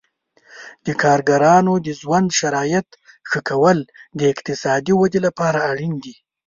د کارګرانو د ژوند شرایطو ښه کول د اقتصادي ودې لپاره اړین دي.